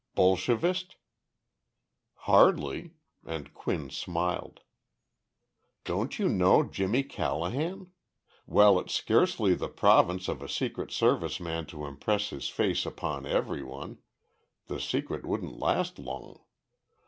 "Bolshevist?" "Hardly," and Quinn smiled. "Don't you know Jimmy Callahan? Well, it's scarcely the province of a Secret Service man to impress his face upon everyone ... the secret wouldn't last long.